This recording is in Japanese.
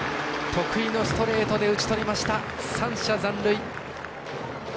得意のストレートで打ち取りました、３者残塁。